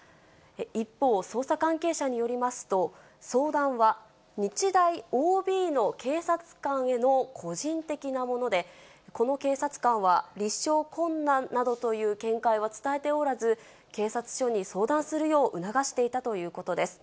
一方、捜査関係者によりますと、相談は日大ＯＢの警察官への個人的なもので、この警察官は立証困難などという見解は伝えておらず、警察署に相談するよう促していたということです。